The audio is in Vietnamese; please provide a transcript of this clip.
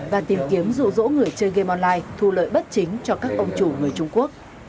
và tìm kiếm rủ rỗ người chơi game online thu lợi bất chính cho các ông chủ người trung quốc